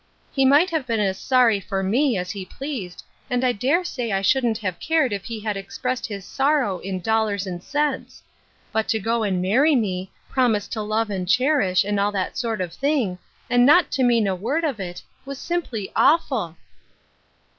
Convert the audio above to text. " He might have been as sorry for me as he pleased, and I dare say I sliouldn't have cared ii he had expressed his soitow in doUara and Side Issues. 27 cents ; but to go and marry me, promise to love and cherish, and all that sort of thing, and not to mean a word of it, was simply awful."